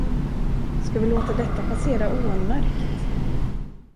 Ska vi låta detta passera oanmärkt?